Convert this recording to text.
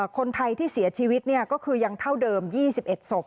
คนไทยที่เสียชีวิตก็คือยังเท่าเดิม๒๑ศพ